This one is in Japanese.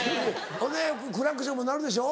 ほんでクラクションも鳴るでしょ？